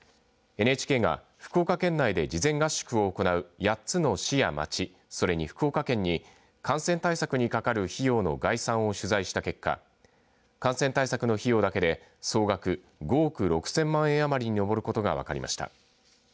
ＮＨＫが福岡県内で事前合宿を行う８つの市や町それに福岡県に感染対策にかかる費用の概算を取材した結果感染対策の費用だけで総額５億６０００万円余りに上ることが分かりました。